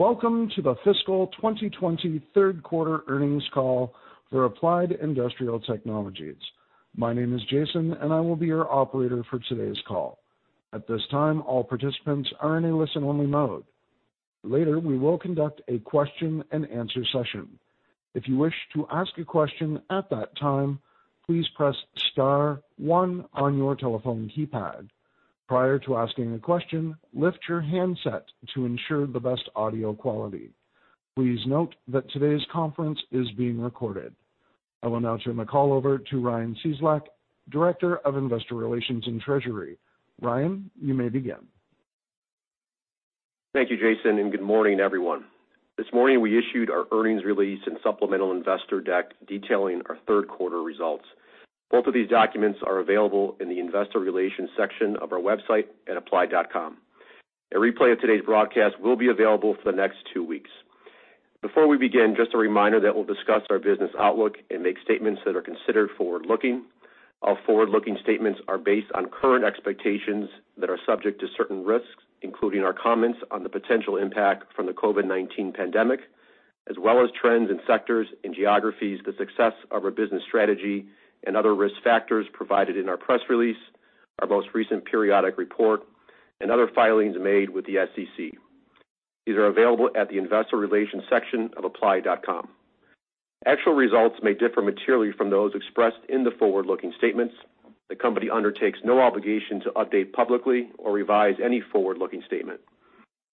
Welcome to the fiscal 2020 third quarter earnings call for Applied Industrial Technologies. My name is Jason, and I will be your Operator for today's call. At this time, all participants are in a listen-only mode. Later, we will conduct a question and answer session. If you wish to ask a question at that time, please press star one on your telephone keypad. Prior to asking a question, lift your handset to ensure the best audio quality. Please note that today's conference is being recorded. I will now turn the call over to Ryan Cieslak, Director of Investor Relations and Treasury. Ryan, you may begin. Thank you, Jason, and good morning, everyone. This morning, we issued our earnings release and supplemental investor deck detailing our third quarter results. Both of these documents are available in the investor relations section of our website at applied.com. A replay of today's broadcast will be available for the next two weeks. Before we begin, just a reminder that we'll discuss our business outlook and make statements that are considered forward-looking. Our forward-looking statements are based on current expectations that are subject to certain risks, including our comments on the potential impact from the COVID-19 pandemic, as well as trends and sectors and geographies, the success of our business strategy, and other risk factors provided in our press release, our most recent periodic report, and other filings made with the SEC. These are available at the investor relations section of applied.com. Actual results may differ materially from those expressed in the forward-looking statements. The company undertakes no obligation to update publicly or revise any forward-looking statement.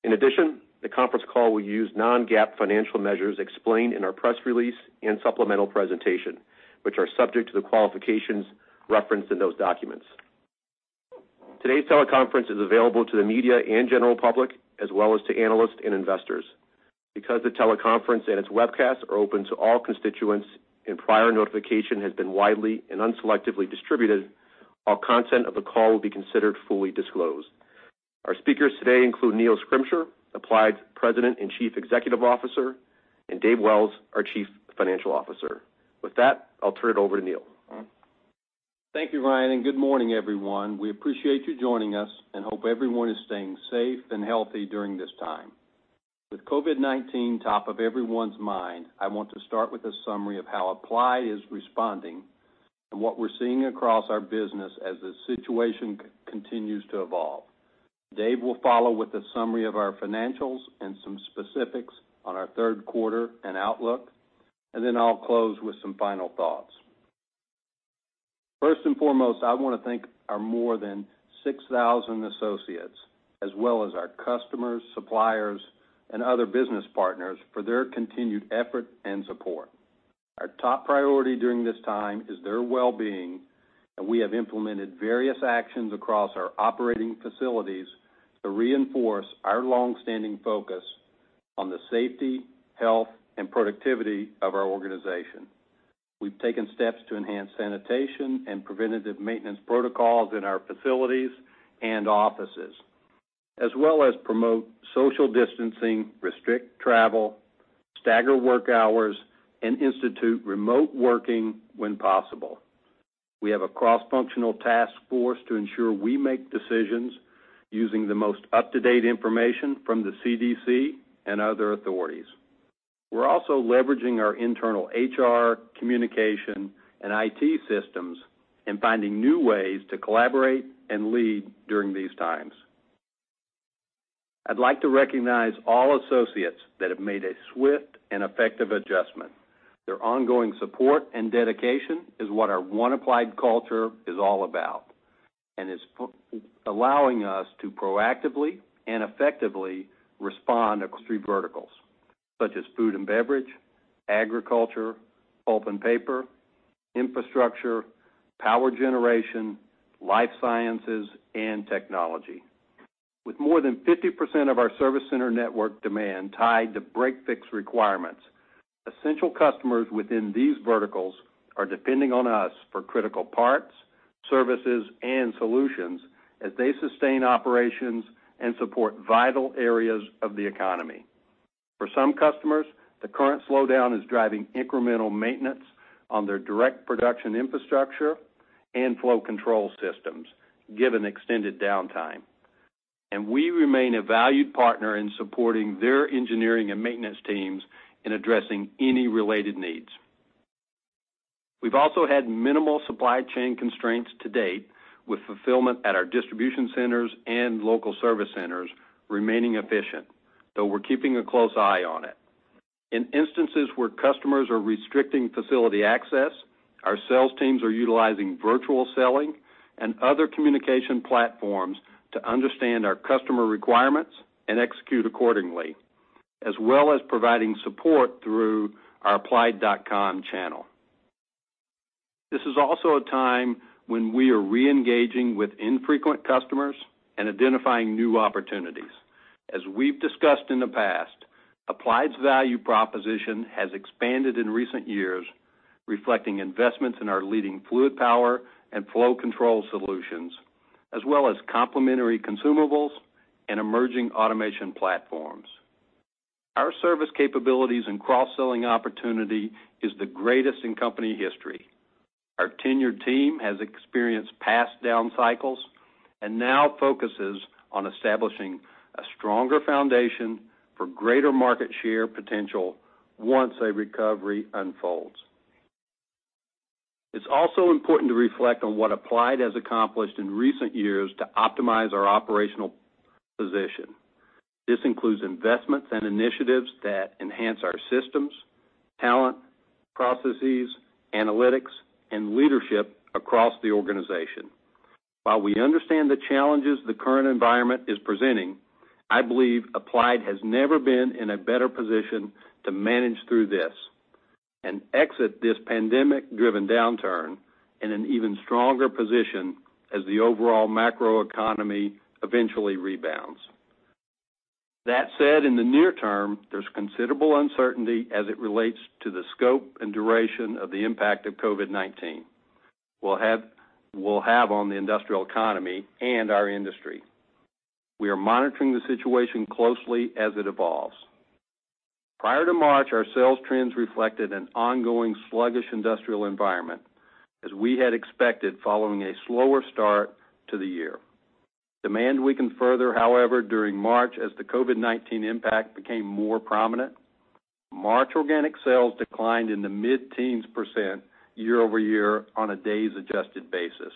In addition, the conference call will use non-GAAP financial measures explained in our press release and supplemental presentation, which are subject to the qualifications referenced in those documents. Today's teleconference is available to the media and general public, as well as to analysts and investors. Because the teleconference and its webcast are open to all constituents and prior notification has been widely and unselectively distributed, all content of the call will be considered fully disclosed. Our speakers today include Neil Schrimsher, Applied President and Chief Executive Officer, and Dave Wells, our Chief Financial Officer. With that, I'll turn it over to Neil. Thank you, Ryan. Good morning, everyone. We appreciate you joining us and hope everyone is staying safe and healthy during this time. With COVID-19 top of everyone's mind, I want to start with a summary of how Applied is responding and what we're seeing across our business as the situation continues to evolve. Dave will follow with a summary of our financials and some specifics on our third quarter and outlook. Then I'll close with some final thoughts. First and foremost, I want to thank our more than 6,000 associates, as well as our customers, suppliers, and other business partners for their continued effort and support. Our top priority during this time is their well-being. We have implemented various actions across our operating facilities to reinforce our longstanding focus on the safety, health, and productivity of our organization. We've taken steps to enhance sanitation and preventative maintenance protocols in our facilities and offices, as well as promote social distancing, restrict travel, stagger work hours, and institute remote working when possible. We have a cross-functional task force to ensure we make decisions using the most up-to-date information from the CDC and other authorities. We're also leveraging our internal HR, communication, and IT systems and finding new ways to collaborate and lead during these times. I'd like to recognize all associates that have made a swift and effective adjustment. Their ongoing support and dedication is what our One Applied culture is all about and is allowing us to proactively and effectively respond across three verticals, such as food and beverage, agriculture, pulp and paper, infrastructure, power generation, life sciences, and technology. With more than 50% of our service center network demand tied to break-fix requirements, essential customers within these verticals are depending on us for critical parts, services, and solutions as they sustain operations and support vital areas of the economy. For some customers, the current slowdown is driving incremental maintenance on their direct production infrastructure and flow control systems, given extended downtime. We remain a valued partner in supporting their engineering and maintenance teams in addressing any related needs. We've also had minimal supply chain constraints to date, with fulfillment at our distribution centers and local service centers remaining efficient, though we're keeping a close eye on it. In instances where customers are restricting facility access, our sales teams are utilizing virtual selling and other communication platforms to understand our customer requirements and execute accordingly, as well as providing support through our applied.com channel. This is also a time when we are re-engaging with infrequent customers and identifying new opportunities. As we've discussed in the past, Applied's value proposition has expanded in recent years, reflecting investments in our leading fluid power and flow control solutions, as well as complementary consumables and emerging automation platforms. Our service capabilities and cross-selling opportunity is the greatest in company history. Our tenured team has experienced past down cycles and now focuses on establishing a stronger foundation for greater market share potential once a recovery unfolds. It's also important to reflect on what Applied has accomplished in recent years to optimize our operational position. This includes investments and initiatives that enhance our systems, talent, processes, analytics, and leadership across the organization. While we understand the challenges the current environment is presenting, I believe Applied has never been in a better position to manage through this and exit this pandemic-driven downturn in an even stronger position as the overall macroeconomy eventually rebounds. That said, in the near term, there's considerable uncertainty as it relates to the scope and duration of the impact of COVID-19 will have on the industrial economy and our industry. We are monitoring the situation closely as it evolves. Prior to March, our sales trends reflected an ongoing sluggish industrial environment as we had expected following a slower start to the year. Demand weakened further, however, during March as the COVID-19 impact became more prominent. March organic sales declined in the mid-teens percent year-over-year on a days adjusted basis.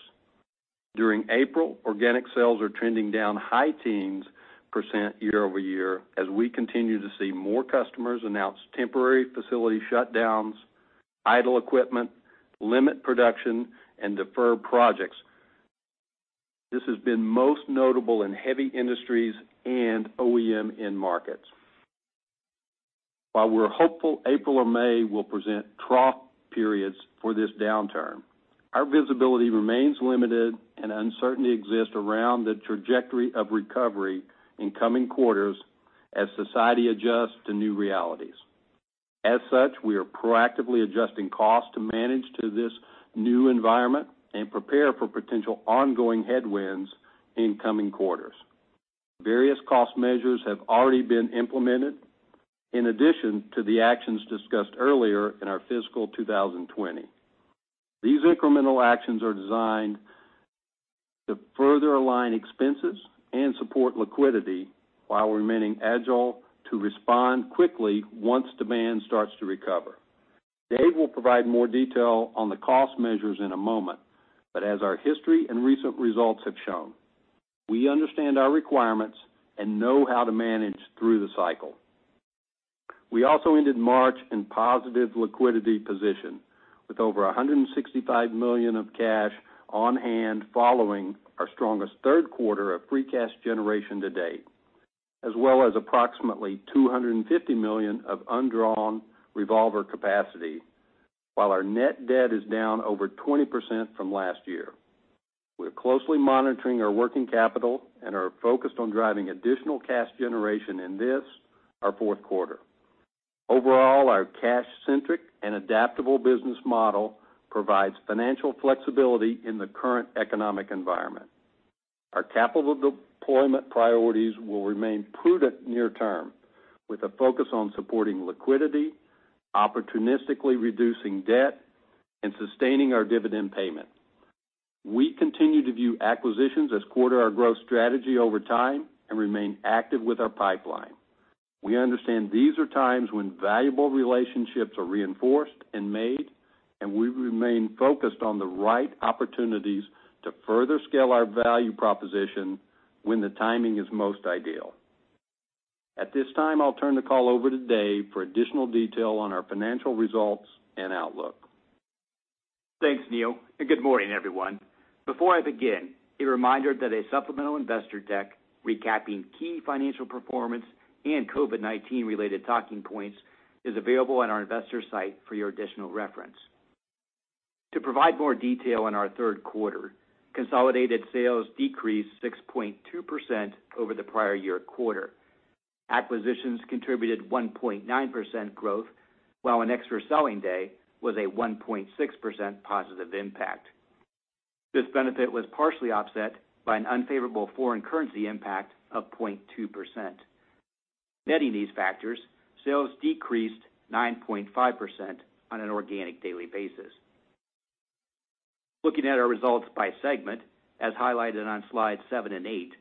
During April, organic sales are trending down high teens percent year-over-year as we continue to see more customers announce temporary facility shutdowns, idle equipment, limit production, and defer projects. This has been most notable in heavy industries and OEM end markets. While we're hopeful April or May will present trough periods for this downturn, our visibility remains limited, and uncertainty exists around the trajectory of recovery in coming quarters as society adjusts to new realities. As such, we are proactively adjusting costs to manage to this new environment and prepare for potential ongoing headwinds in coming quarters. Various cost measures have already been implemented in addition to the actions discussed earlier in our fiscal 2020. These incremental actions are designed to further align expenses and support liquidity while remaining agile to respond quickly once demand starts to recover. Dave will provide more detail on the cost measures in a moment, but as our history and recent results have shown, we understand our requirements and know how to manage through the cycle. We also ended March in positive liquidity position with over $165 million of cash on hand following our strongest third quarter of free cash generation to date, as well as approximately $250 million of undrawn revolver capacity while our net debt is down over 20% from last year. We're closely monitoring our working capital and are focused on driving additional cash generation in this, our fourth quarter. Overall, our cash-centric and adaptable business model provides financial flexibility in the current economic environment. Our capital deployment priorities will remain prudent near term with a focus on supporting liquidity, opportunistically reducing debt, and sustaining our dividend payment. We continue to view acquisitions as core to our growth strategy over time and remain active with our pipeline. We understand these are times when valuable relationships are reinforced and made, and we remain focused on the right opportunities to further scale our value proposition when the timing is most ideal. At this time, I'll turn the call over to Dave for additional detail on our financial results and outlook. Thanks, Neil, and good morning, everyone. Before I begin, a reminder that a supplemental investor deck recapping key financial performance and COVID-19 related talking points is available on our investor site for your additional reference. To provide more detail on our third quarter, consolidated sales decreased 6.2% over the prior year quarter. Acquisitions contributed 1.9% growth, while an extra selling day was a 1.6% positive impact. This benefit was partially offset by an unfavorable foreign currency impact of 0.2%. Netting these factors, sales decreased 9.5% on an organic daily basis. Looking at our results by segment, as highlighted on slide seven and eight,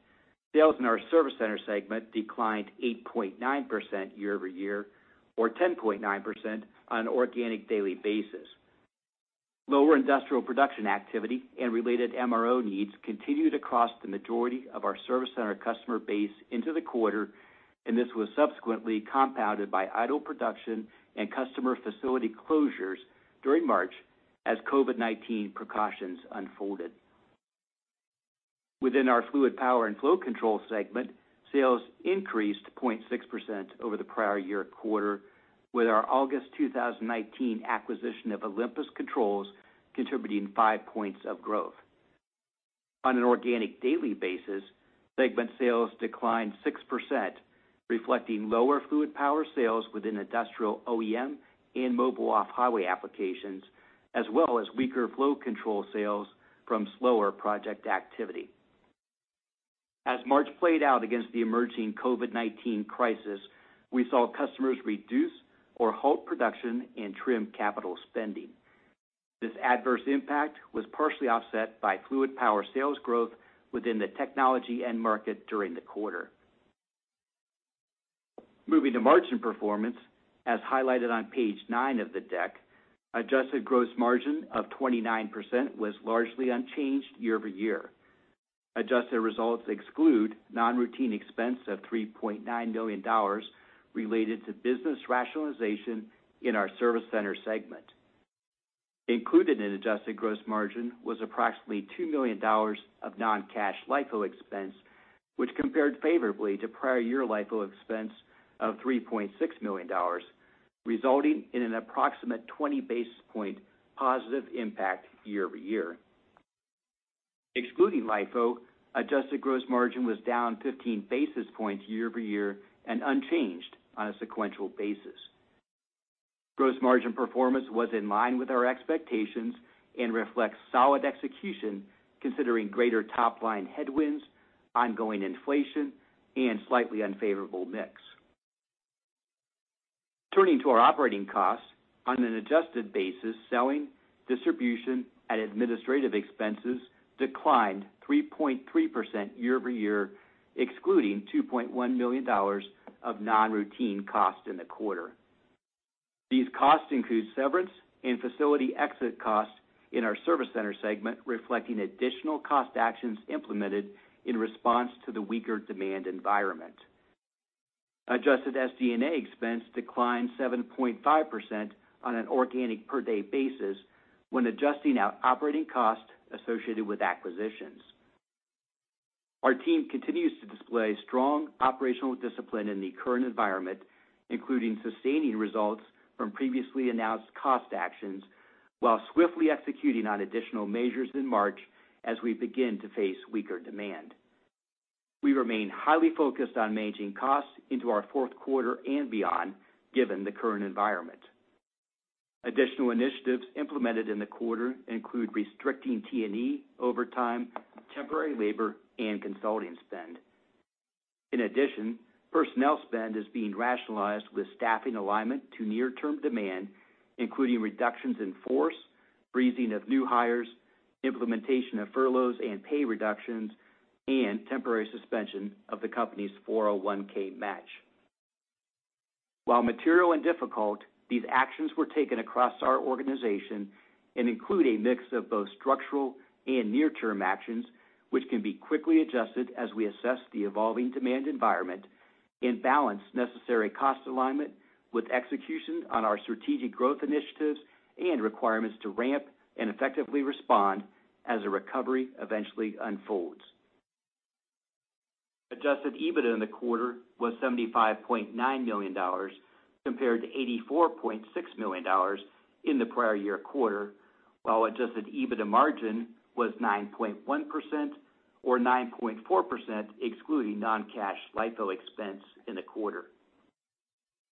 sales in our service center segment declined 8.9% year-over-year or 10.9% on an organic daily basis. Lower industrial production activity and related MRO needs continued across the majority of our service center customer base into the quarter, and this was subsequently compounded by idle production and customer facility closures during March as COVID-19 precautions unfolded. Within our fluid power and flow control segment, sales increased 0.6% over the prior year quarter with our August 2019 acquisition of Olympus Controls contributing five points of growth. On an organic daily basis, segment sales declined 6%, reflecting lower fluid power sales within industrial OEM and mobile off-highway applications, as well as weaker flow control sales from slower project activity. As March played out against the emerging COVID-19 crisis, we saw customers reduce or halt production and trim capital spending. This adverse impact was partially offset by fluid power sales growth within the technology end market during the quarter. Moving to margin performance, as highlighted on page nine of the deck, adjusted gross margin of 29% was largely unchanged year-over-year. Adjusted results exclude non-routine expense of $3.9 million related to business rationalization in our service center segment. Included in adjusted gross margin was approximately $2 million of non-cash LIFO expense, which compared favorably to prior year LIFO expense of $3.6 million, resulting in an approximate 20 basis point positive impact year-over-year. Excluding LIFO, adjusted gross margin was down 15 basis points year-over-year and unchanged on a sequential basis. Gross margin performance was in line with our expectations and reflects solid execution considering greater top-line headwinds, ongoing inflation, and slightly unfavorable mix. Turning to our operating costs. On an adjusted basis, selling, distribution, and administrative expenses declined 3.3% year-over-year, excluding $2.1 million of non-routine costs in the quarter. These costs include severance and facility exit costs in our service center segment, reflecting additional cost actions implemented in response to the weaker demand environment. Adjusted SG&A expense declined 7.5% on an organic per-day basis when adjusting out operating costs associated with acquisitions. Our team continues to display strong operational discipline in the current environment, including sustaining results from previously announced cost actions, while swiftly executing on additional measures in March as we begin to face weaker demand. We remain highly focused on managing costs into our fourth quarter and beyond given the current environment. Additional initiatives implemented in the quarter include restricting T&E, overtime, temporary labor, and consulting spend. In addition, personnel spend is being rationalized with staffing alignment to near-term demand, including reductions in force, freezing of new hires, implementation of furloughs and pay reductions, and temporary suspension of the company's 401(k) match. While material and difficult, these actions were taken across our organization and include a mix of both structural and near-term actions which can be quickly adjusted as we assess the evolving demand environment and balance necessary cost alignment with execution on our strategic growth initiatives and requirements to ramp and effectively respond as a recovery eventually unfolds. Adjusted EBITDA in the quarter was $75.9 million, compared to $84.6 million in the prior year quarter, while adjusted EBITDA margin was 9.1%, or 9.4% excluding non-cash LIFO expense in the quarter.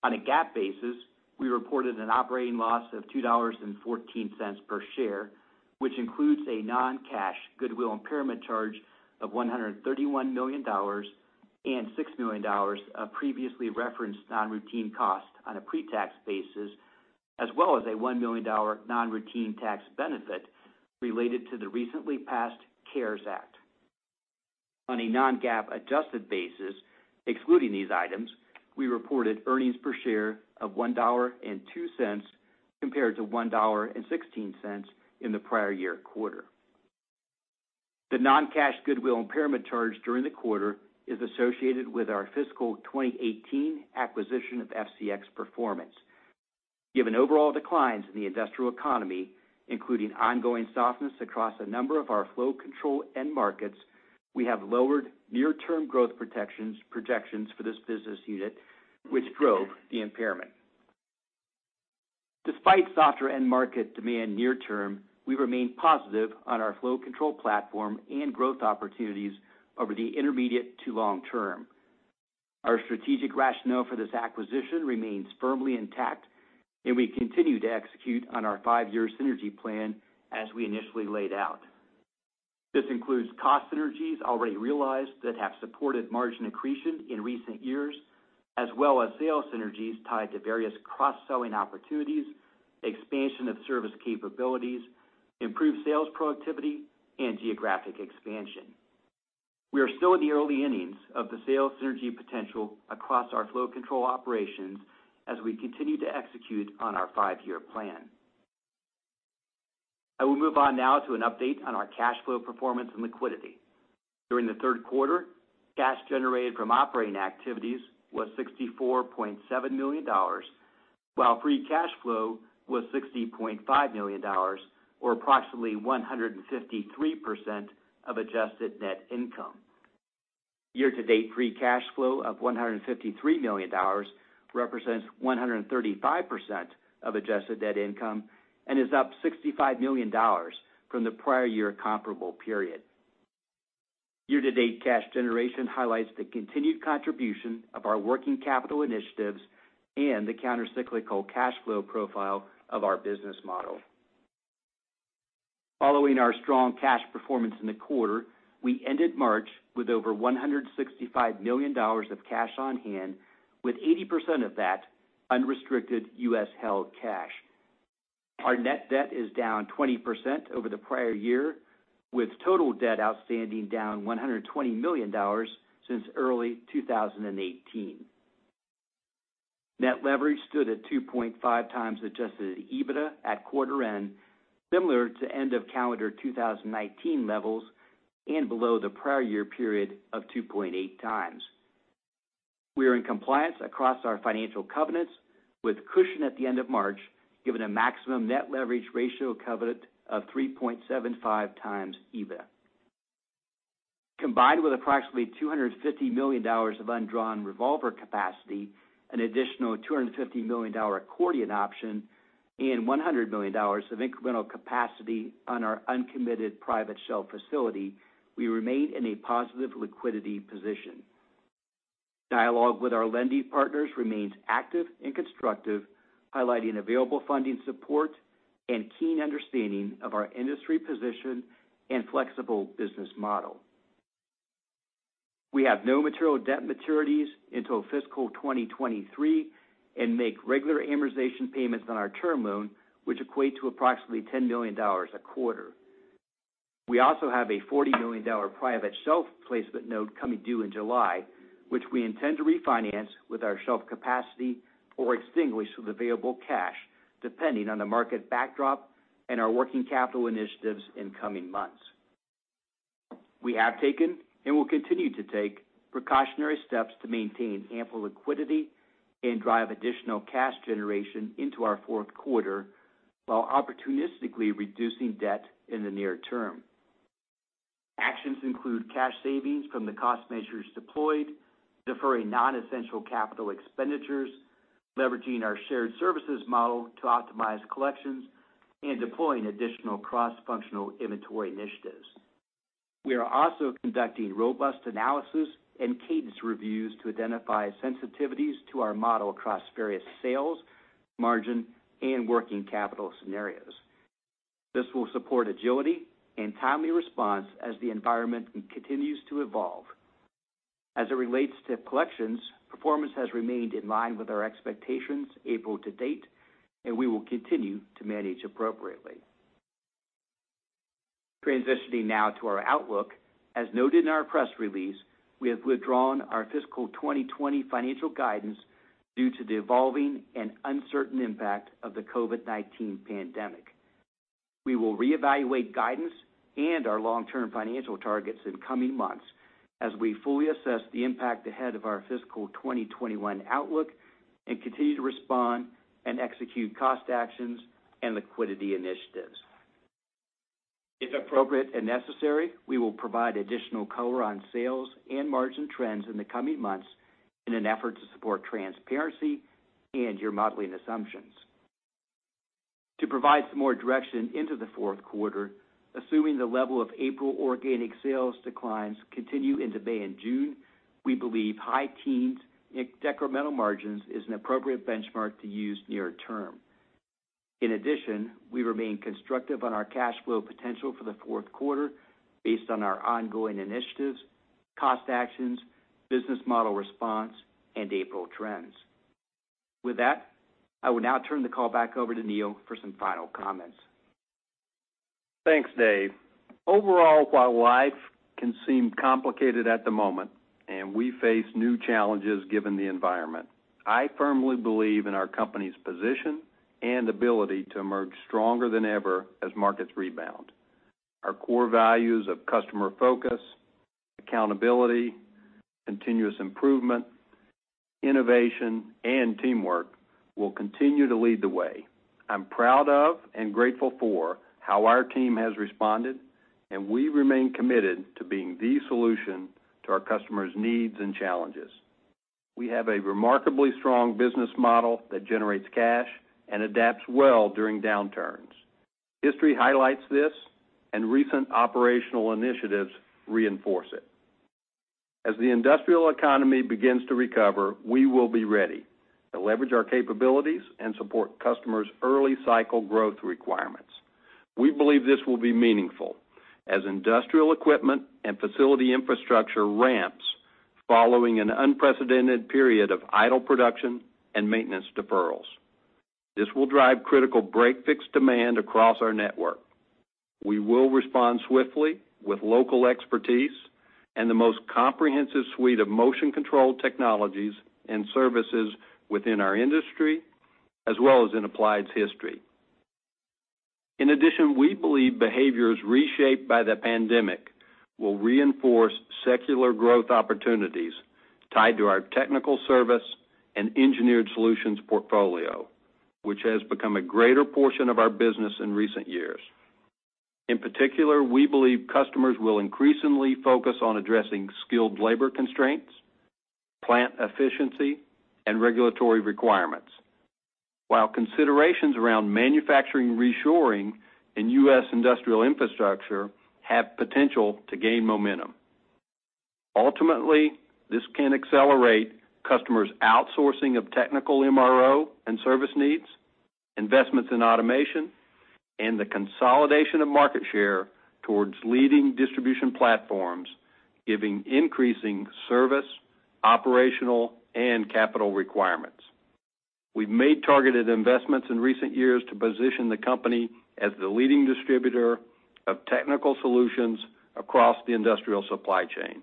On a GAAP basis, we reported an operating loss of $2.14 per share, which includes a non-cash goodwill impairment charge of $131 million and $6 million of previously referenced non-routine costs on a pre-tax basis, as well as a $1 million non-routine tax benefit related to the recently passed CARES Act. On a non-GAAP adjusted basis, excluding these items, we reported earnings per share of $1.02 compared to $1.16 in the prior year quarter. The non-cash goodwill impairment charge during the quarter is associated with our fiscal 2018 acquisition of FCX Performance. Given overall declines in the industrial economy, including ongoing softness across a number of our flow control end markets, we have lowered near-term growth projections for this business unit, which drove the impairment. Despite softer end market demand near-term, we remain positive on our flow control platform and growth opportunities over the intermediate to long term. Our strategic rationale for this acquisition remains firmly intact, and we continue to execute on our five-year synergy plan as we initially laid out. This includes cost synergies already realized that have supported margin accretion in recent years, as well as sales synergies tied to various cross-selling opportunities, expansion of service capabilities, improved sales productivity, and geographic expansion. We are still in the early innings of the sales synergy potential across our flow control operations as we continue to execute on our five-year plan. I will move on now to an update on our cash flow performance and liquidity. During the third quarter, cash generated from operating activities was $64.7 million, while free cash flow was $60.5 million, or approximately 153% of adjusted net income. Year-to-date free cash flow of $153 million represents 135% of adjusted net income and is up $65 million from the prior year comparable period. Year-to-date cash generation highlights the continued contribution of our working capital initiatives and the countercyclical cash flow profile of our business model. Following our strong cash performance in the quarter, we ended March with over $165 million of cash on hand, with 80% of that unrestricted U.S.-held cash. Our net debt is down 20% over the prior year, with total debt outstanding down $120 million since early 2018. Net leverage stood at 2.5x adjusted EBITDA at quarter end, similar to end of calendar 2019 levels and below the prior year period of 2.8x. We are in compliance across our financial covenants with cushion at the end of March, given a maximum net leverage ratio covenant of 3.75x EBITDA. Combined with approximately $250 million of undrawn revolver capacity, an additional $250 million accordion option, and $100 million of incremental capacity on our uncommitted private shelf facility, we remain in a positive liquidity position. Dialogue with our lending partners remains active and constructive, highlighting available funding support and keen understanding of our industry position and flexible business model. We have no material debt maturities until fiscal 2023 and make regular amortization payments on our term loan, which equate to approximately $10 million a quarter. We also have a $40 million private shelf placement note coming due in July, which we intend to refinance with our shelf capacity or extinguish with available cash, depending on the market backdrop and our working capital initiatives in coming months. We have taken, and will continue to take, precautionary steps to maintain ample liquidity and drive additional cash generation into our fourth quarter, while opportunistically reducing debt in the near term. Actions include cash savings from the cost measures deployed, deferring non-essential capital expenditures, leveraging our shared services model to optimize collections, and deploying additional cross-functional inventory initiatives. We are also conducting robust analysis and cadence reviews to identify sensitivities to our model across various sales, margin, and working capital scenarios. This will support agility and timely response as the environment continues to evolve. As it relates to collections, performance has remained in line with our expectations April to date, and we will continue to manage appropriately. Transitioning now to our outlook. As noted in our press release, we have withdrawn our fiscal 2020 financial guidance due to the evolving and uncertain impact of the COVID-19 pandemic. We will reevaluate guidance and our long-term financial targets in coming months as we fully assess the impact ahead of our fiscal 2021 outlook and continue to respond and execute cost actions and liquidity initiatives. If appropriate and necessary, we will provide additional color on sales and margin trends in the coming months in an effort to support transparency and your modeling assumptions. To provide some more direction into the fourth quarter, assuming the level of April organic sales declines continue into May and June, we believe high teens incremental margins is an appropriate benchmark to use near-term. In addition, we remain constructive on our cash flow potential for the fourth quarter based on our ongoing initiatives, cost actions, business model response, and April trends. With that, I will now turn the call back over to Neil for some final comments. Thanks, Dave. Overall, while life can seem complicated at the moment, and we face new challenges given the environment, I firmly believe in our company's position and ability to emerge stronger than ever as markets rebound. Our core values of customer focus, accountability, continuous improvement, innovation, and teamwork will continue to lead the way. I'm proud of and grateful for how our team has responded, and we remain committed to being the solution to our customers' needs and challenges. We have a remarkably strong business model that generates cash and adapts well during downturns. History highlights this, and recent operational initiatives reinforce it. As the industrial economy begins to recover, we will be ready to leverage our capabilities and support customers' early cycle growth requirements. We believe this will be meaningful as industrial equipment and facility infrastructure ramps following an unprecedented period of idle production and maintenance deferrals. This will drive critical break-fix demand across our network. We will respond swiftly with local expertise and the most comprehensive suite of motion control technologies and services within our industry, as well as in Applied's history. In addition, we believe behaviors reshaped by the pandemic will reinforce secular growth opportunities tied to our technical service and engineered solutions portfolio, which has become a greater portion of our business in recent years. In particular, we believe customers will increasingly focus on addressing skilled labor constraints, plant efficiency, and regulatory requirements. While considerations around manufacturing reshoring and U.S. industrial infrastructure have potential to gain momentum. Ultimately, this can accelerate customers outsourcing of technical MRO and service needs, investments in automation, and the consolidation of market share towards leading distribution platforms, giving increasing service, operational, and capital requirements. We've made targeted investments in recent years to position the company as the leading distributor of technical solutions across the industrial supply chain.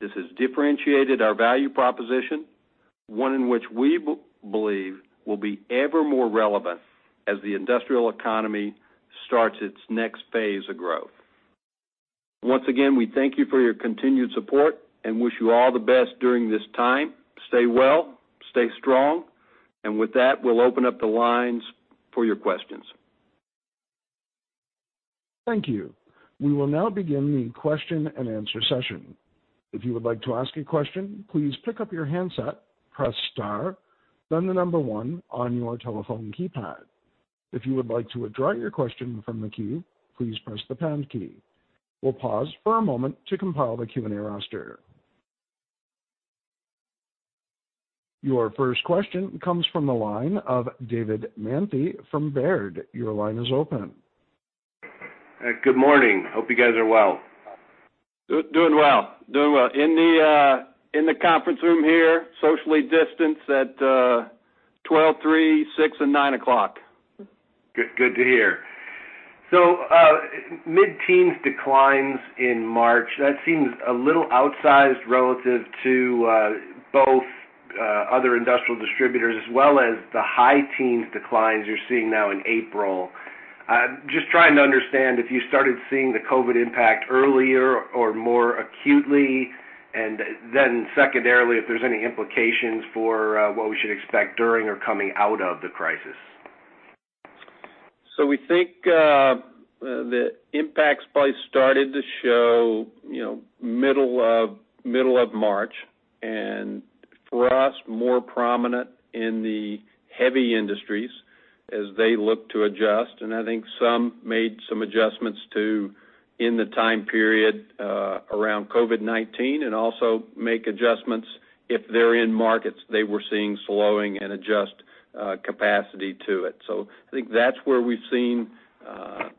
This has differentiated our value proposition, one in which we believe will be ever more relevant as the industrial economy starts its next phase of growth. Once again, we thank you for your continued support and wish you all the best during this time. Stay well, stay strong, and with that, we'll open up the lines for your questions. Thank you. We will now begin the question and answer session. If you would like to ask a question, please pick up your handset, press star, then the number one on your telephone keypad. If you would like to withdraw your question from the queue, please press the pound key. We will pause for a moment to compile the Q&A roster. Your first question comes from the line of David Manthey from Baird. Your line is open. Good morning. Hope you guys are well. Doing well. In the conference room here, socially distanced at 12, three, six, and nine o'clock. Good to hear. mid-teens declines in March, that seems a little outsized relative to both other industrial distributors as well as the high teens declines you're seeing now in April. Just trying to understand if you started seeing the COVID-19 impact earlier or more acutely, and then secondarily, if there's any implications for what we should expect during or coming out of the crisis? We think the impacts probably started to show middle of March, and for us, more prominent in the heavy industries as they look to adjust. I think some made some adjustments too in the time period around COVID-19, and also make adjustments if they're in markets they were seeing slowing and adjust capacity to it. I think that's where we've seen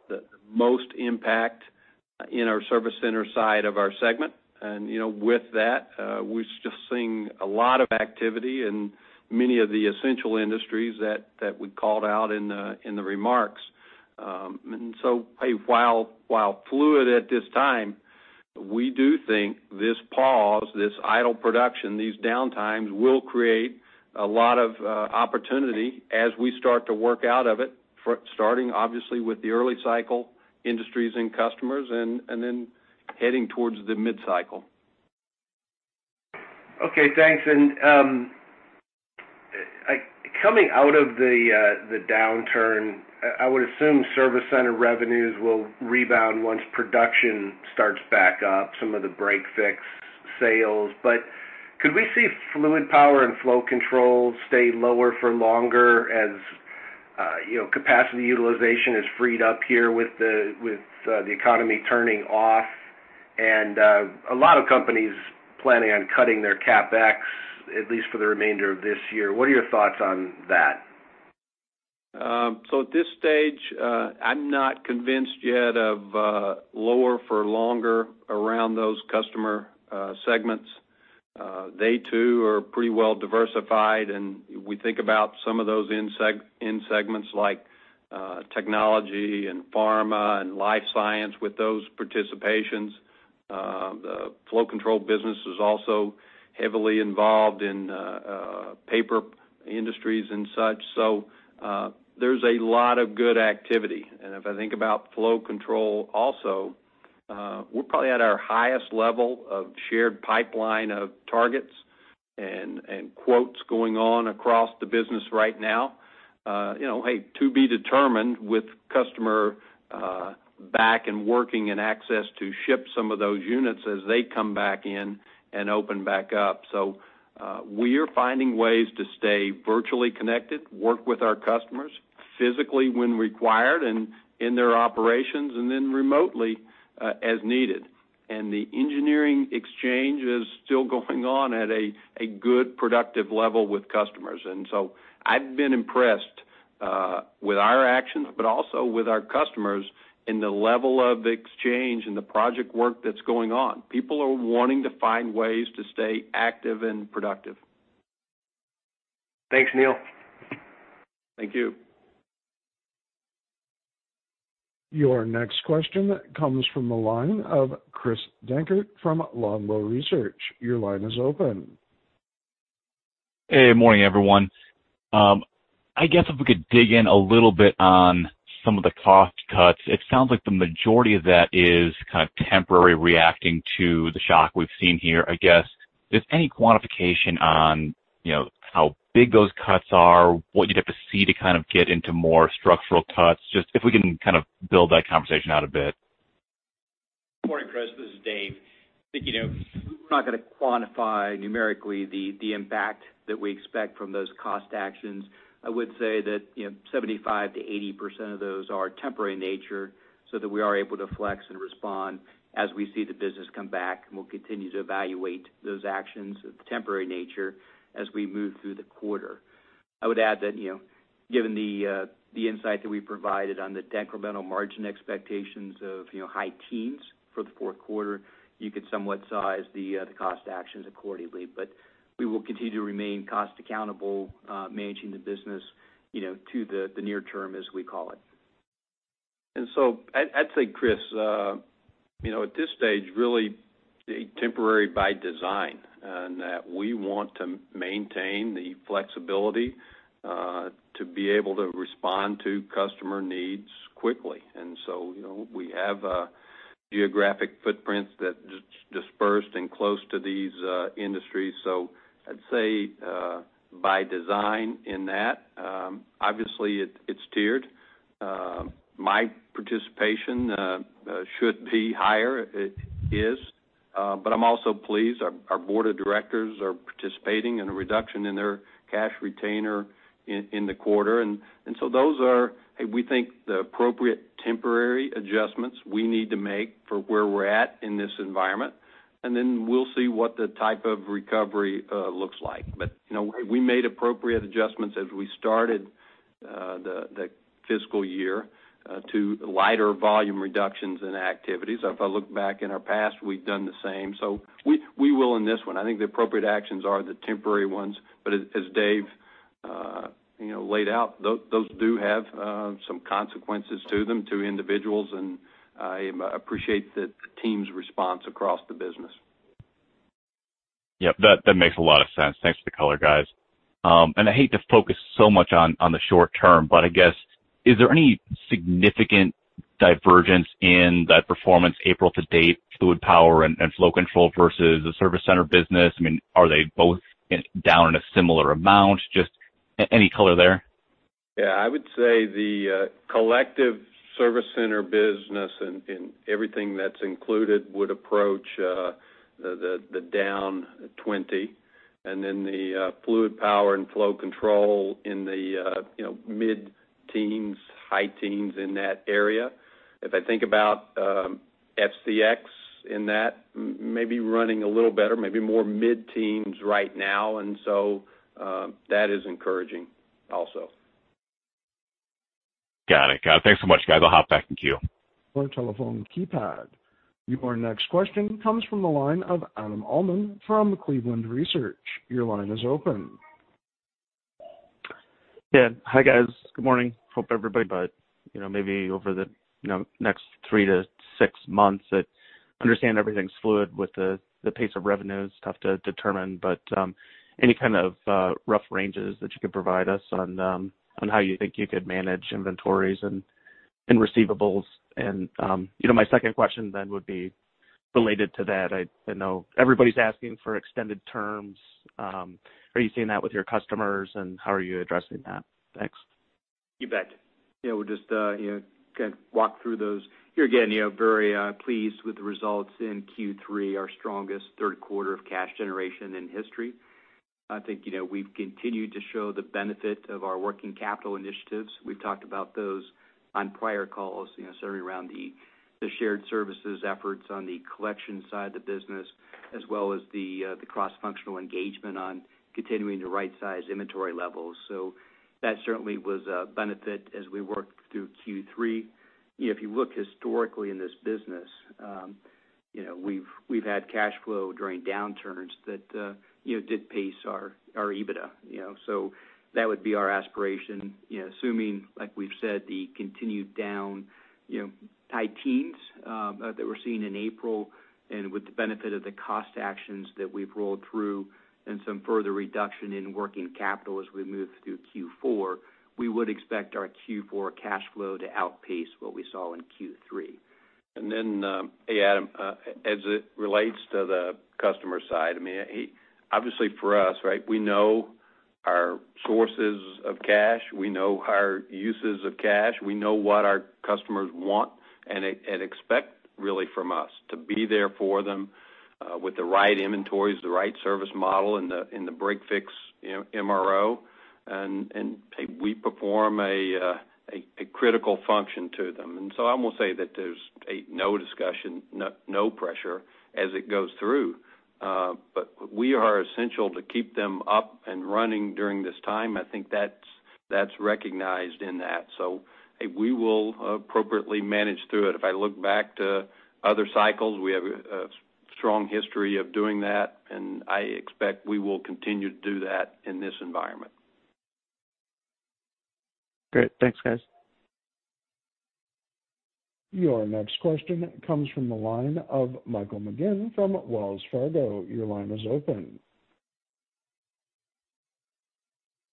the most impact in our service center side of our segment. With that, we're still seeing a lot of activity in many of the essential industries that we called out in the remarks. While fluid at this time, we do think this pause, this idle production, these downtimes will create a lot of opportunity as we start to work out of it, starting obviously with the early cycle industries and customers, and then heading towards the mid-cycle. Okay, thanks. Coming out of the downturn, I would assume service center revenues will rebound once production starts back up, some of the break fix sales. Could we see fluid power and flow control stay lower for longer as capacity utilization is freed up here with the economy turning off and a lot of companies planning on cutting their CapEx, at least for the remainder of this year. What are your thoughts on that? At this stage, I'm not convinced yet of lower for longer around those customer segments. They too are pretty well diversified, and we think about some of those in segments like technology and pharma and life science with those participations. The flow control business is also heavily involved in paper industries and such, so there's a lot of good activity. If I think about flow control also, we're probably at our highest level of shared pipeline of targets and quotes going on across the business right now. To be determined with customer back and working and access to ship some of those units as they come back in and open back up. We are finding ways to stay virtually connected, work with our customers physically when required and in their operations, and then remotely as needed. The engineering exchange is still going on at a good productive level with customers. I've been impressed with our actions, but also with our customers in the level of exchange and the project work that's going on. People are wanting to find ways to stay active and productive. Thanks, Neil. Thank you. Your next question comes from the line of Chris Dankert from Longbow Research. Your line is open. Hey, morning, everyone. I guess if we could dig in a little bit on some of the cost cuts. It sounds like the majority of that is kind of temporary reacting to the shock we've seen here. I guess, is any quantification on how big those cuts are, what you'd have to see to kind of get into more structural cuts? Just if we can kind of build that conversation out a bit. Good morning, Chris. This is Dave. I think we're not going to quantify numerically the impact that we expect from those cost actions. I would say that 75%-80% of those are temporary nature, so that we are able to flex and respond as we see the business come back, and we'll continue to evaluate those actions of temporary nature as we move through the quarter. I would add that given the insight that we provided on the incremental margin expectations of high teens for the fourth quarter, you could somewhat size the cost actions accordingly. We will continue to remain cost accountable, managing the business to the near term, as we call it. I'd say, Chris, at this stage, really temporary by design in that we want to maintain the flexibility to be able to respond to customer needs quickly. We have geographic footprints that disperse and close to these industries. I'd say by design in that. Obviously, it's tiered. My participation should be higher. It is. I'm also pleased our board of directors are participating in a reduction in their cash retainer in the quarter. Those are, we think, the appropriate temporary adjustments we need to make for where we're at in this environment. Then we'll see what the type of recovery looks like. We made appropriate adjustments as we started the fiscal year to lighter volume reductions in activities. If I look back in our past, we've done the same. We will in this one. I think the appropriate actions are the temporary ones. As Dave laid out, those do have some consequences to them, to individuals, and I appreciate the team's response across the business. Yep, that makes a lot of sense. Thanks for the color, guys. I hate to focus so much on the short term, but I guess, is there any significant divergence in that performance April to date, fluid power and flow control versus the service center business? Are they both down in a similar amount? Just any color there? Yeah, I would say the collective service center business and everything that's included would approach the down 20, and then the fluid power and flow control in the mid-teens, high teens in that area. If I think about FCX in that, maybe running a little better, maybe more mid-teens right now, and so that is encouraging also. Got it. Thanks so much, guys. I'll hop back in queue. Your telephone keypad. Your next question comes from the line of Adam Uhlman from Cleveland Research. Your line is open. Yeah. Hi, guys. Good morning. Maybe over the next three to six months that understand everything's fluid with the pace of revenue is tough to determine, but any kind of rough ranges that you could provide us on how you think you could manage inventories and receivables. My second question then would be related to that. I know everybody's asking for extended terms. Are you seeing that with your customers, and how are you addressing that? Thanks. You bet. We'll just kind of walk through those. Here again, very pleased with the results in Q3, our strongest third quarter of cash generation in history. I think we've continued to show the benefit of our working capital initiatives. We've talked about those on prior calls, certainly around the shared services efforts on the collection side of the business, as well as the cross-functional engagement on continuing to right-size inventory levels. That certainly was a benefit as we worked through Q3. If you look historically in this business, we've had cash flow during downturns that did pace our EBITDA. That would be our aspiration, assuming, like we've said, the continued down high teens that we're seeing in April and with the benefit of the cost actions that we've rolled through and some further reduction in working capital as we move through Q4, we would expect our Q4 cash flow to outpace what we saw in Q3. Hey Adam, as it relates to the customer side, obviously for us, we know our sources of cash, we know our uses of cash, we know what our customers want and expect really from us to be there for them with the right inventories, the right service model in the break fix MRO. We perform a critical function to them. I will say that there's no discussion, no pressure as it goes through. We are essential to keep them up and running during this time. I think that's recognized in that. We will appropriately manage through it. If I look back to other cycles, we have a strong history of doing that, and I expect we will continue to do that in this environment. Great. Thanks, guys. Your next question comes from the line of Michael McGinn from Wells Fargo. Your line is open.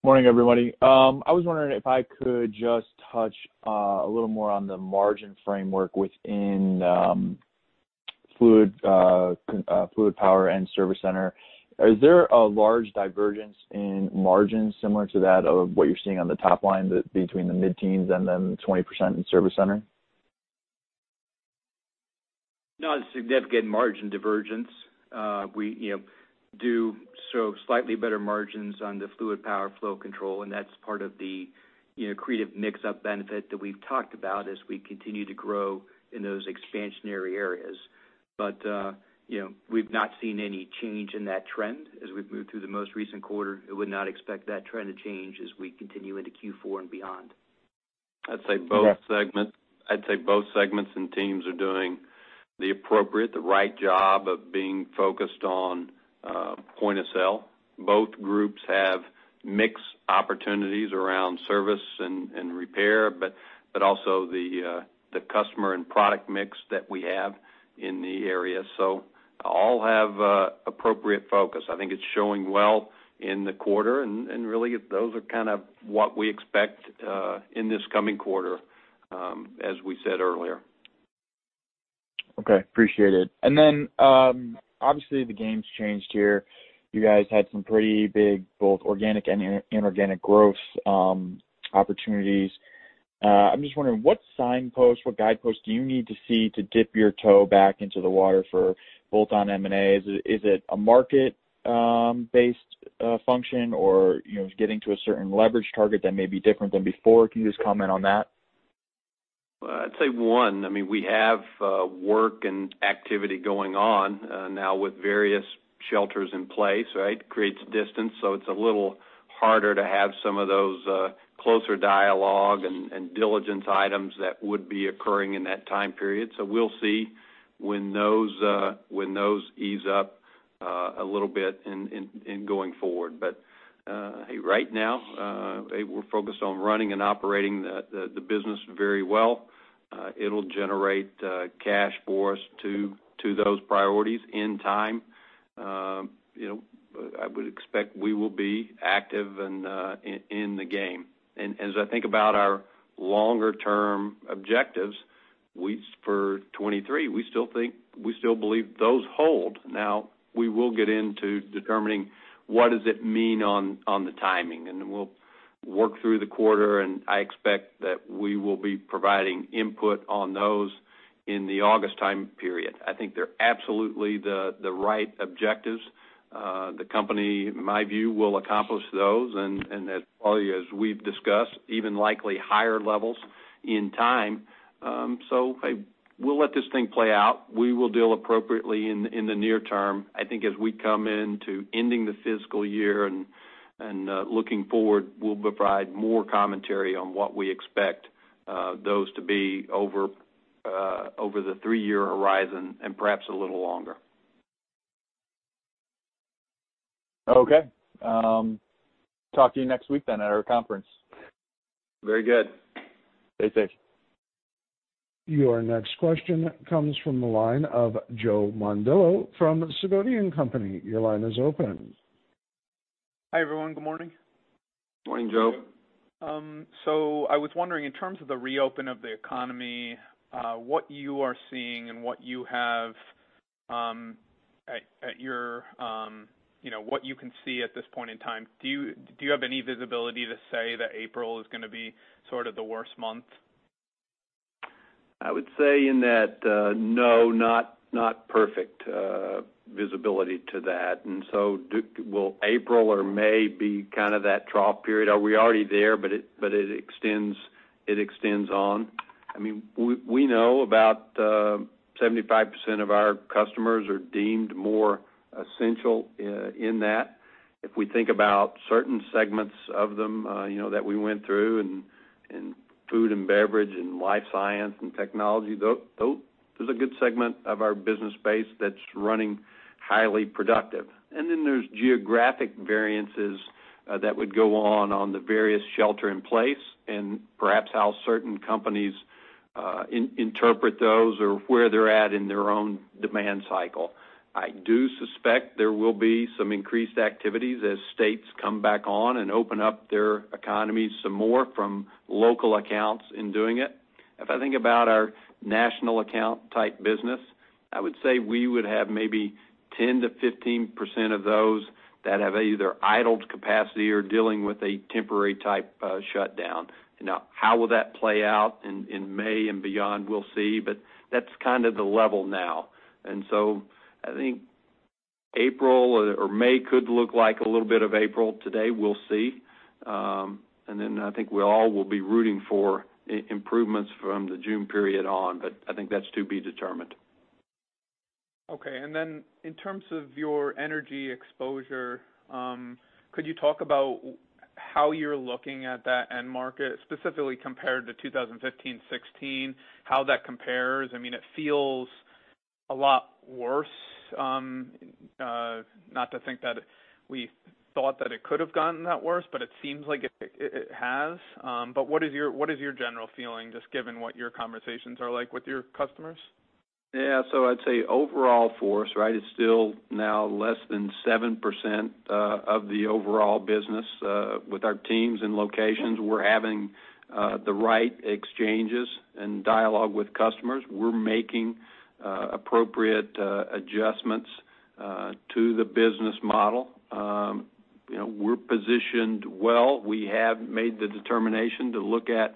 Morning, everybody. I was wondering if I could just touch a little more on the margin framework within fluid power and service center. Is there a large divergence in margins similar to that of what you're seeing on the top line between the mid-teens and then the 20% in service center? Not a significant margin divergence. We do show slightly better margins on the fluid power flow control, and that's part of the accretive mix-up benefit that we've talked about as we continue to grow in those expansionary areas. We've not seen any change in that trend as we've moved through the most recent quarter. I would not expect that trend to change as we continue into Q4 and beyond. I'd say both segments and teams are doing the appropriate, the right job of being focused on point of sale. Both groups have mixed opportunities around service and repair, but also the customer and product mix that we have in the area. All have appropriate focus. I think it's showing well in the quarter, and really, those are kind of what we expect in this coming quarter, as we said earlier. Okay. Appreciate it. Obviously the game's changed here. You guys had some pretty big, both organic and inorganic growth opportunities. I'm just wondering what signpost, what guidepost do you need to see to dip your toe back into the water for bolt-on M&A? Is it a market-based function or getting to a certain leverage target that may be different than before? Can you just comment on that? I'd say one, we have work and activity going on now with various shelters in place, right? Creates distance, it's a little harder to have some of those closer dialogue and diligence items that would be occurring in that time period. We'll see when those ease up a little bit in going forward. Right now we're focused on running and operating the business very well. It'll generate cash for us to those priorities in time. I would expect we will be active in the game. As I think about our longer term objectives for 2023, we still believe those hold. We will get into determining what does it mean on the timing, we'll work through the quarter, I expect that we will be providing input on those in the August time period. I think they're absolutely the right objectives. The company, in my view, will accomplish those and as probably as we've discussed, even likely higher levels in time. We'll let this thing play out. We will deal appropriately in the near term. I think as we come into ending the fiscal year and looking forward, we'll provide more commentary on what we expect those to be over the three-year horizon and perhaps a little longer. Okay. Talk to you next week then at our conference. Very good. Stay safe. Your next question comes from the line of Joe Mondillo from Sidoti & Company. Your line is open. Hi, everyone. Good morning. Morning, Joe. I was wondering in terms of the reopen of the economy, what you are seeing and what you can see at this point in time. Do you have any visibility to say that April is going to be sort of the worst month? I would say in that no, not perfect visibility to that. Will April or May be kind of that trough period? Are we already there, but it extends on? We know about 75% of our customers are deemed more essential in that. If we think about certain segments of them that we went through in food and beverage and life science and technology, there's a good segment of our business base that's running highly productive. There's geographic variances that would go on on the various shelter in place and perhaps how certain companies interpret those or where they're at in their own demand cycle. I do suspect there will be some increased activities as states come back on and open up their economies some more from local accounts in doing it. If I think about our national account type business, I would say we would have maybe 10%-15% of those that have either idled capacity or dealing with a temporary type shutdown. Now, how will that play out in May and beyond? We'll see, but that's kind of the level now. I think April or May could look like a little bit of April today. We'll see. I think we all will be rooting for improvements from the June period on, but I think that's to be determined. Okay. In terms of your energy exposure, could you talk about how you're looking at that end market specifically compared to 2015, 2016? How that compares? It feels a lot worse. Not to think that we thought that it could have gotten that worse, but it seems like it has. What is your general feeling, just given what your conversations are like with your customers? I'd say overall for us, it's still now less than 7% of the overall business. With our teams and locations, we're having the right exchanges and dialogue with customers. We're making appropriate adjustments to the business model. We're positioned well. We have made the determination to look at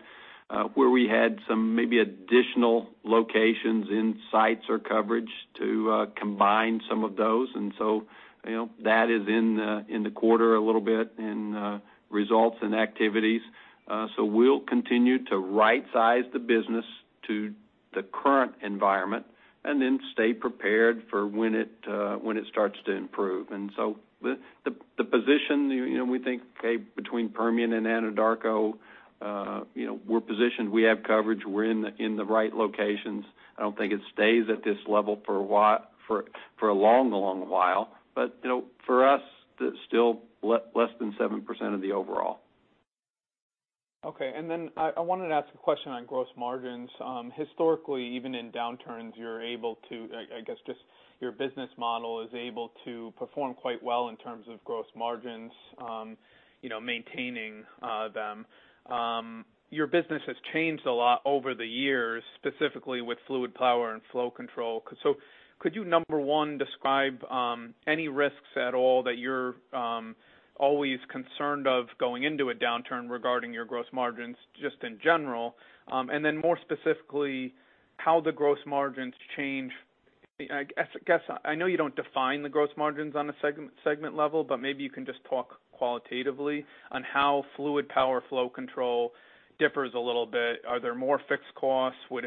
where we had some maybe additional locations in sites or coverage to combine some of those. That is in the quarter a little bit in results and activities. We'll continue to right-size the business to the current environment, stay prepared for when it starts to improve. The position we think, okay, between Permian and Anadarko, we're positioned, we have coverage, we're in the right locations. I don't think it stays at this level for a long while. For us, it's still less than 7% of the overall. Okay. I wanted to ask a question on gross margins. Historically, even in downturns, I guess, just your business model is able to perform quite well in terms of gross margins, maintaining them. Your business has changed a lot over the years, specifically with fluid power and flow control. Could you, number one, describe any risks at all that you're always concerned of going into a downturn regarding your gross margins just in general? More specifically, how the gross margins change. I know you don't define the gross margins on a segment level, but maybe you can just talk qualitatively on how fluid power flow control differs a little bit. Are there more fixed costs? Do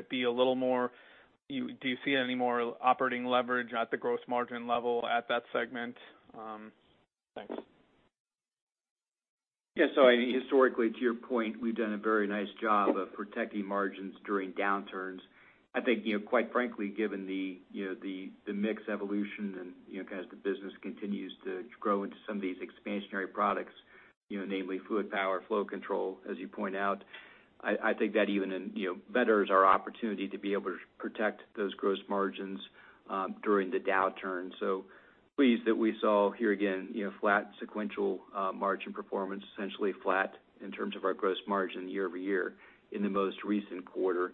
you see any more operating leverage at the gross margin level at that segment? Thanks. Yeah. Historically, to your point, we've done a very nice job of protecting margins during downturns. I think, quite frankly, given the mix evolution and as the business continues to grow into some of these expansionary products, namely fluid power, flow control, as you point out, I think that even betters our opportunity to be able to protect those gross margins during the downturn. Pleased that we saw here again, flat sequential margin performance, essentially flat in terms of our gross margin year-over-year in the most recent quarter.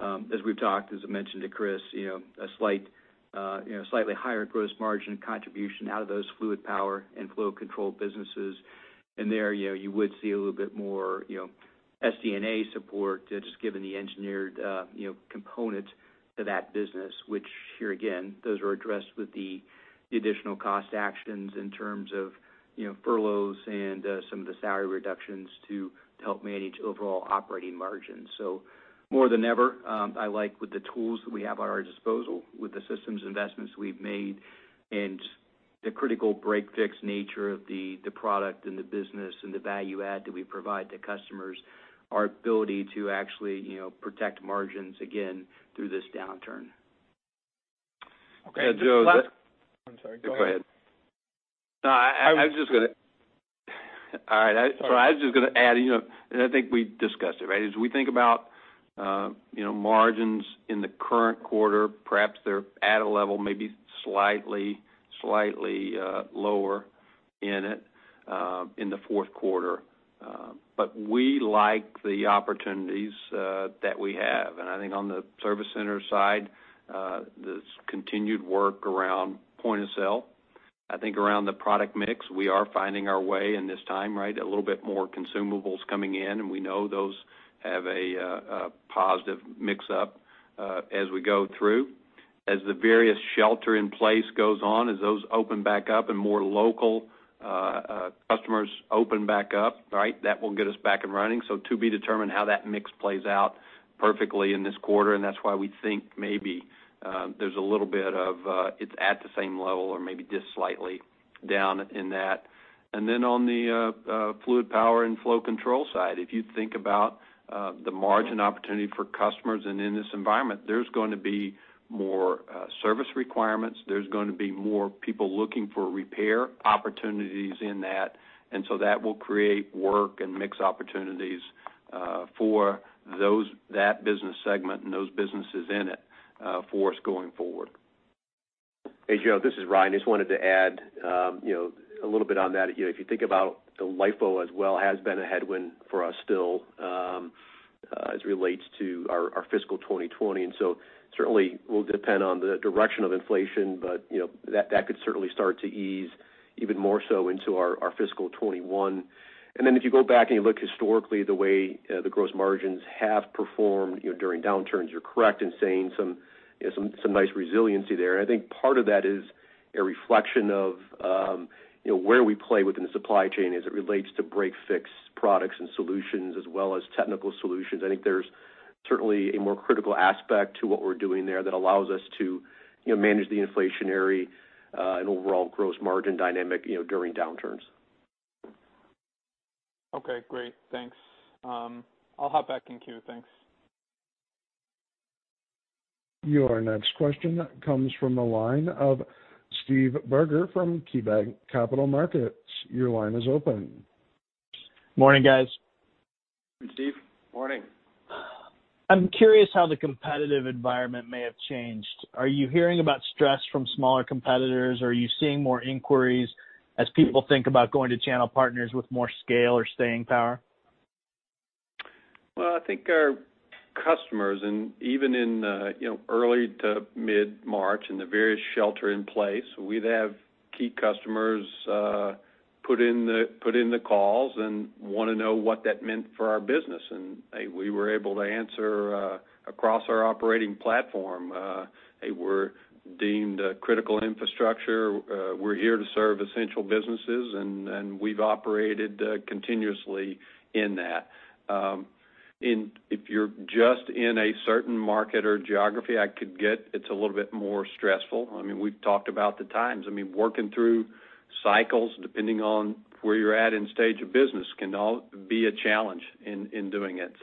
As we've talked, as I mentioned to Chris, a slightly higher gross margin contribution out of those fluid power and flow control businesses. There you would see a little bit more SG&A support, just given the engineered component to that business, which here again, those are addressed with the additional cost actions in terms of furloughs and some of the salary reductions to help manage overall operating margins. More than ever, I like with the tools that we have at our disposal, with the systems investments we've made, and the critical break-fix nature of the product and the business and the value add that we provide to customers, our ability to actually protect margins again through this downturn. Okay. Yeah, Joe. I'm sorry. Go ahead. Go ahead. All right. I was just going to add, and I think we discussed it, right? As we think about margins in the current quarter, perhaps they're at a level maybe slightly lower in it, in the fourth quarter. We like the opportunities that we have. I think on the service center side, this continued work around point of sale. I think around the product mix, we are finding our way in this time, right? A little bit more consumables coming in, and we know those have a positive mix up as we go through. As the various shelter in place goes on, as those open back up and more local customers open back up, that will get us back and running. To be determined how that mix plays out perfectly in this quarter, and that's why we think maybe there's a little bit of it's at the same level or maybe just slightly down in that. On the fluid power and flow control side, if you think about the margin opportunity for customers and in this environment, there's going to be more service requirements. There's going to be more people looking for repair opportunities in that. That will create work and mix opportunities for that business segment and those businesses in it for us going forward. Hey, Joe, this is Ryan. Just wanted to add a little bit on that. If you think about the LIFO as well, has been a headwind for us still as it relates to our fiscal 2020. Certainly will depend on the direction of inflation, but that could certainly start to ease even more so into our fiscal 2021. Then if you go back and you look historically the way the gross margins have performed during downturns, you're correct in saying some nice resiliency there. I think part of that is a reflection of where we play within the supply chain as it relates to break-fix products and solutions as well as technical solutions. I think there's certainly a more critical aspect to what we're doing there that allows us to manage the inflationary and overall gross margin dynamic during downturns. Okay, great. Thanks. I'll hop back in queue. Thanks. Your next question comes from the line of Steve Barger from KeyBanc Capital Markets. Your line is open. Morning, guys. Steve, morning. I'm curious how the competitive environment may have changed. Are you hearing about stress from smaller competitors? Are you seeing more inquiries as people think about going to channel partners with more scale or staying power? Well, I think our customers, even in early to mid-March and the various shelter in place, we'd have key customers put in the calls and want to know what that meant for our business. We were able to answer across our operating platform. We're deemed a critical infrastructure. We're here to serve essential businesses, and we've operated continuously in that. If you're just in a certain market or geography, I could get it's a little bit more stressful. We've talked about the times. Working through cycles, depending on where you're at in stage of business, can all be a challenge in doing it.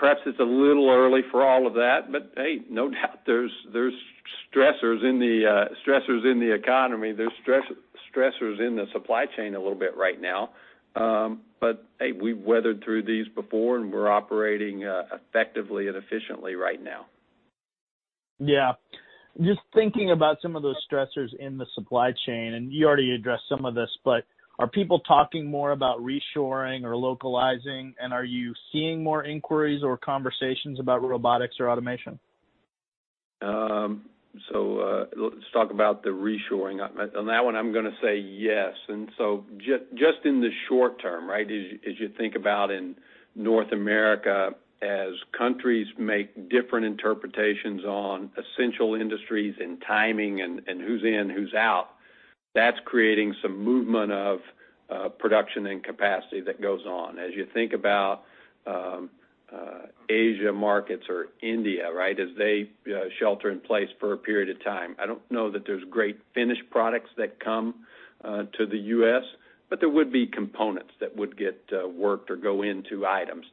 Perhaps it's a little early for all of that, hey, no doubt there's stressors in the economy. There's stressors in the supply chain a little bit right now. Hey, we've weathered through these before, and we're operating effectively and efficiently right now. Yeah. Just thinking about some of those stressors in the supply chain, and you already addressed some of this, but are people talking more about reshoring or localizing? Are you seeing more inquiries or conversations about robotics or automation? Let's talk about the reshoring. On that one, I'm going to say yes. Just in the short term, as you think about in North America, as countries make different interpretations on essential industries and timing and who's in, who's out, that's creating some movement of production and capacity that goes on. As you think about Asia markets or India, as they shelter in place for a period of time, I don't know that there's great finished products that come to the U.S., but there would be components that would get worked or go into items.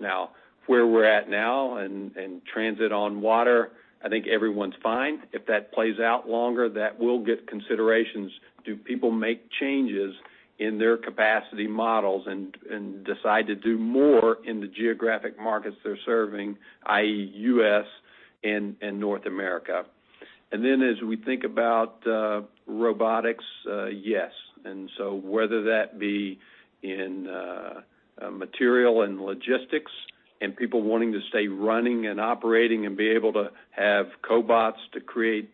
Where we're at now and transit on water, I think everyone's fine. If that plays out longer, that will get considerations. Do people make changes in their capacity models and decide to do more in the geographic markets they're serving, i.e., U.S. and North America? As we think about robotics, yes. Whether that be in material and logistics and people wanting to stay running and operating and be able to have cobots to create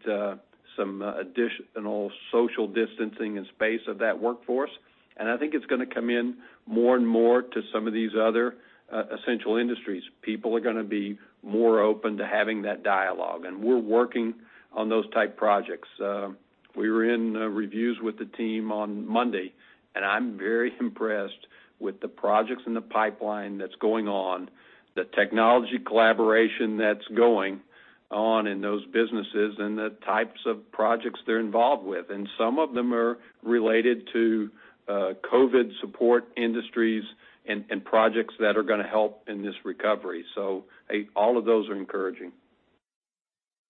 some additional social distancing and space of that workforce. I think it's going to come in more and more to some of these other essential industries. People are going to be more open to having that dialogue, and we're working on those type projects. We were in reviews with the team on Monday, and I'm very impressed with the projects in the pipeline that's going on, the technology collaboration that's going on in those businesses, and the types of projects they're involved with. Some of them are related to COVID support industries and projects that are going to help in this recovery. All of those are encouraging.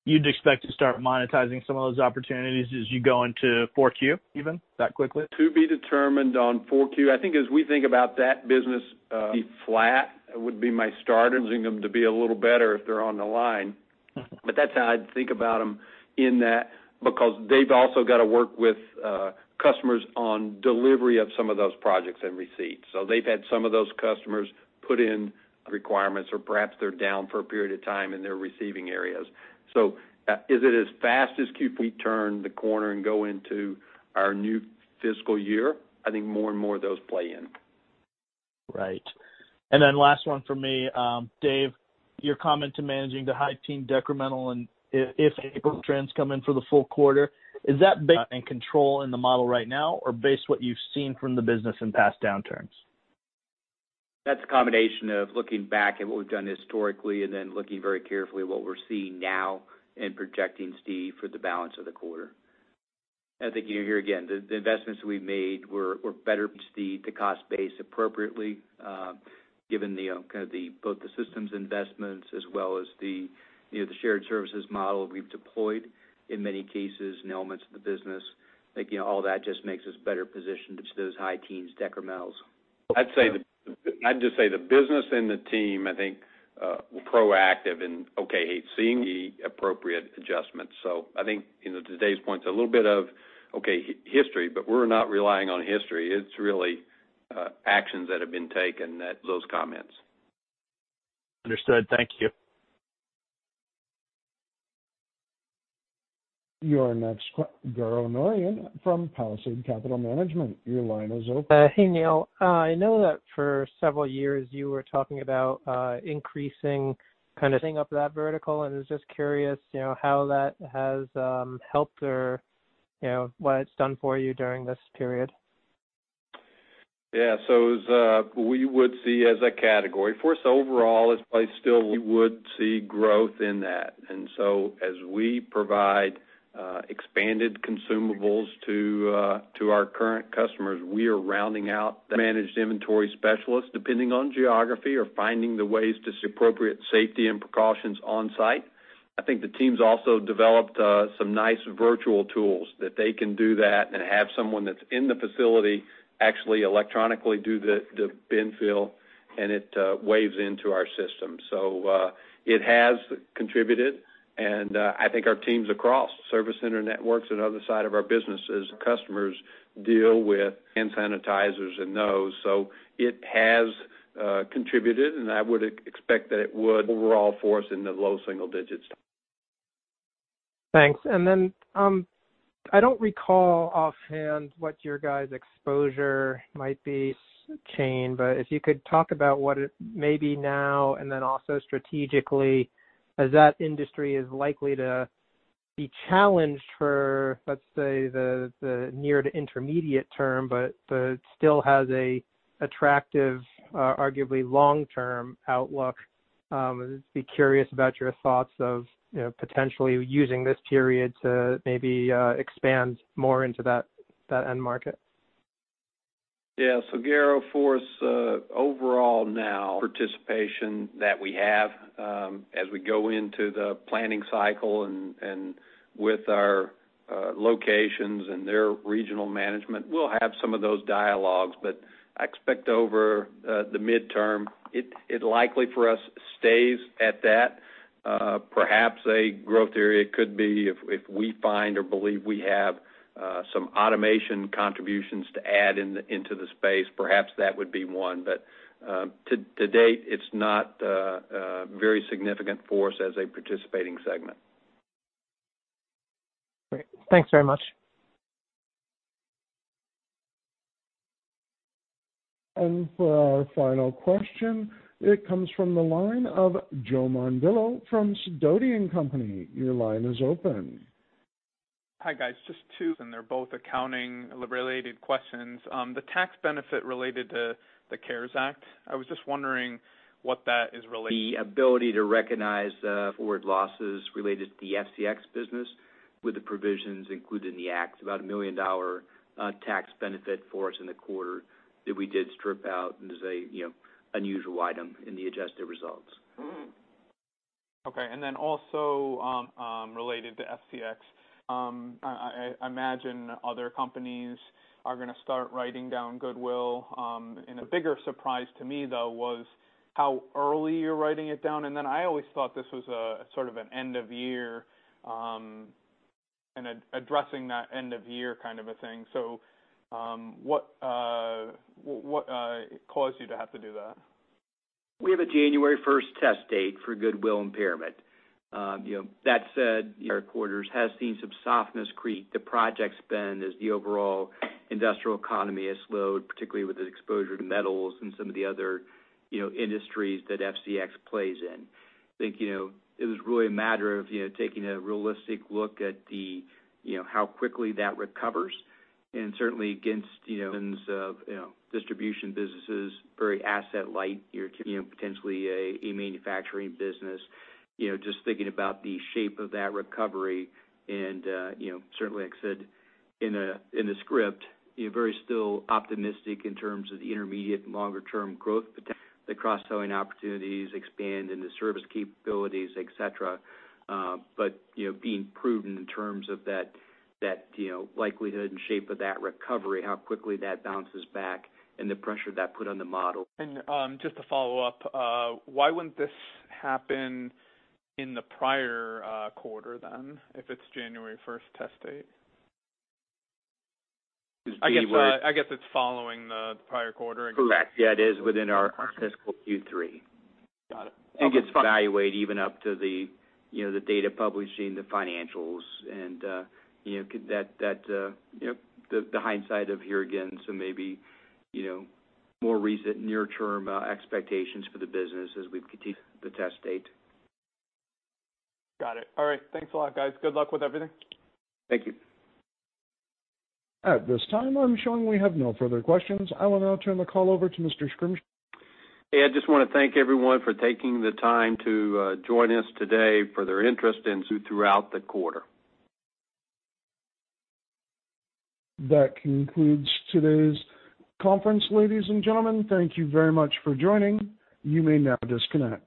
You'd expect to start monetizing some of those opportunities as you go into 4Q, even that quickly? To be determined on 4Q. I think as we think about that business, be flat would be my starters, and them to be a little better if they're on the line. That's how I'd think about them in that, because they've also got to work with customers on delivery of some of those projects and receipts. They've had some of those customers put in requirements, or perhaps they're down for a period of time in their receiving areas. Is it as fast as? We turn the corner and go into our new fiscal year, I think more and more of those play in. Right. Last one for me. Dave, your comment to managing to high teen decremental and if April trends come in for the full quarter, is that based on control in the model right now or based what you've seen from the business in past downturns? That's a combination of looking back at what we've done historically and then looking very carefully at what we're seeing now and projecting, Steve, for the balance of the quarter. I think you hear again, the investments we've made were better, Steve, to cost base appropriately given both the systems investments as well as the shared services model we've deployed in many cases and elements of the business. Thinking all that just makes us better positioned to those high teens decrementals. I'd just say the business and the team, I think were proactive in seeing the appropriate adjustments. I think today's point's a little bit of history, but we're not relying on history. It's really actions that have been taken that those comments. Understood. Thank you. Your next question, Garo Norian from Palisade Capital Management. Your line is open. Hey, Neil. I know that for several years you were talking about increasing kind of that vertical, and I was just curious how that has helped or what it's done for you during this period. Yeah. We would see as a category for us overall is probably still we would see growth in that. As we provide expanded consumables to our current customers, we are rounding out the managed inventory specialists, depending on geography or finding the ways to appropriate safety and precautions on site. I think the team's also developed some nice virtual tools that they can do that and have someone that's in the facility actually electronically do the bin fill, and it waves into our system. It has contributed, and I think our teams across service center networks and other side of our businesses, customers deal with hand sanitizers and those. It has contributed, and I would expect that it would overall for us in the low single digits. Thanks. I don't recall offhand what your guys' exposure might be to supply chain, but if you could talk about what it may be now and then also strategically as that industry is likely to be challenged for, let's say, the near to intermediate term, but still has an attractive, arguably long-term outlook. I'd just be curious about your thoughts of potentially using this period to maybe expand more into that end market. Yeah. overall now, participation that we have as we go into the planning cycle and with our locations and their regional management, we'll have some of those dialogues. But I expect over the midterm, it likely for us stays at that. Perhaps a growth area could be if we find or believe we have some automation contributions to add into the space, perhaps that would be one. But to date, it's not very significant for us as a participating segment. Great. Thanks very much. For our final question, it comes from the line of Joe Mondillo from Sidoti & Company. Your line is open. Hi guys, Just two, and they're both accounting-related questions. The tax benefit related to the CARES Act, I was just wondering what that is related- The ability to recognize forward losses related to the FCX business with the provisions included in the act, about a $1 million tax benefit for us in the quarter that we did strip out and is an unusual item in the adjusted results. Okay. Also, related to FCX, I imagine other companies are going to start writing down goodwill. A bigger surprise to me, though, was how early you're writing it down. I always thought this was a sort of an end-of-year, and addressing that end-of-year kind of a thing. What caused you to have to do that? We have a January 1st test date for goodwill impairment. That said, our quarters has seen some softness creep to project spend as the overall industrial economy has slowed, particularly with the exposure to metals and some of the other industries that FCX plays in. I think it was really a matter of taking a realistic look at how quickly that recovers, and certainly of distribution businesses, very asset light. Potentially a manufacturing business. Just thinking about the shape of that recovery and certainly, like I said in the script, very still optimistic in terms of the intermediate and longer term growth potential, the cross-selling opportunities, expand into service capabilities, et cetera. Being prudent in terms of that likelihood and shape of that recovery, how quickly that bounces back and the pressure that put on the model. Just to follow up, why wouldn't this happen in the prior quarter then, if it's January 1st test date? I guess it's following the prior quarter. Correct. Yeah, it is within our fiscal Q3. Got it. I think it's evaluated even up to the data publishing, the financials, and the hindsight of here again, so maybe more recent near term expectations for the business as we continue the test date. Got it. All right. Thanks a lot, guys. Good luck with everything. Thank you. At this time, I'm showing we have no further questions. I will now turn the call over to Mr. Schrimsher. Hey, I just want to thank everyone for taking the time to join us today, for their interest throughout the quarter. That concludes today's conference. Ladies and gentlemen, thank you very much for joining. You may now disconnect.